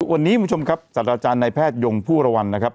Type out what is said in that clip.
วันนี้คุณผู้ชมครับสัตว์อาจารย์ในแพทยงผู้ระวรรณนะครับ